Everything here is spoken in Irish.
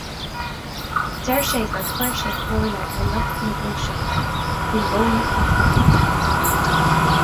Deir sé gur chuir sé comhairle ar lucht na gluaiseachta faoi mhodhanna éifeachtacha agóide.